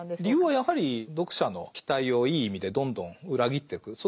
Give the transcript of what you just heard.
理由はやはり読者の期待をいい意味でどんどん裏切っていく。